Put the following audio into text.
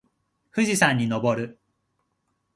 富士山にのぼる。